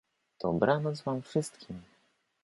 — Dobranoc wam wszystkim!